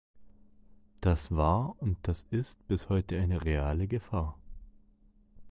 Das war und das ist bis heute eine reale Gefahr.